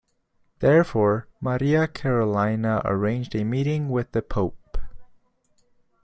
Therefore, Maria Carolina arranged a meeting with the Pope.